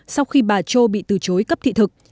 sau khi bà châu bị từ chối cấp thị thực